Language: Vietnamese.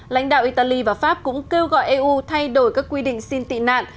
lãnh đạo italy và pháp cũng kêu gọi eu thay đổi các quy định xin tị nạn